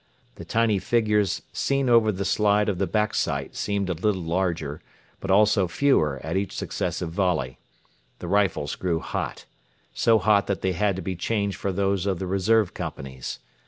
The tiny figures seen over the slide of the backsight seemed a little larger, but also fewer at each successive volley. The rifles grew hot so hot that they had to be changed for those of the reserve companies.